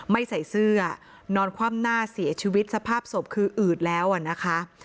ไม่ใส่เสื้อนอนคว่ำหน้าเสียชีวิตสภาพศพคืออืดแล้วนะคะ